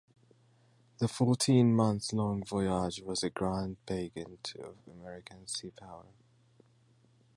The fourteen-month-long voyage was a grand pageant of American sea power.